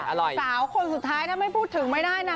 สาวคนสุดท้ายถ้าไม่พูดถึงไม่ได้นะ